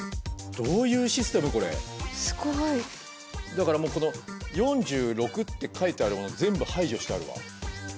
だからもうこの「４６」って書いてあるもの全部排除してあるわ。